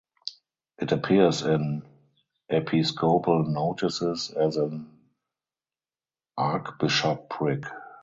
It appears in episcopal notices as an archbishopric.